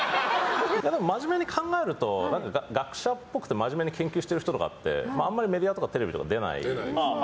真面目に考えると学者っぽくて真面目に研究してる人とかってあんまりメディアとかテレビとか出ない場合多いじゃないですか。